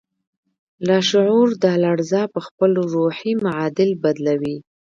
لاشعور دا لړزه پهخپل روحي معادل بدلوي